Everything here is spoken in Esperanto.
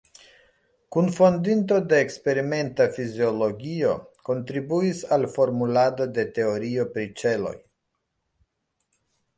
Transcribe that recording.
Kunfondinto de eksperimenta fiziologio, kontribuis al formulado de teorio pri ĉeloj.